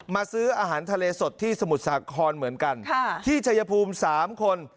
ซื้ออาหารทะเลสดที่สมุทรสาครเหมือนกันที่ชายภูมิ๓คน